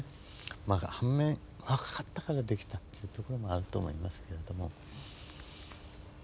まあ反面若かったからできたっていうところもあると思いますけれども。